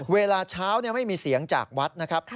เวลาเช้าไม่มีเสียงจากวัดนะครับ